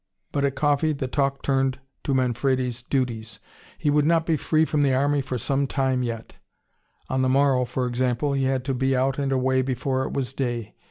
But at coffee the talk turned to Manfredi's duties. He would not be free from the army for some time yet. On the morrow, for example, he had to be out and away before it was day.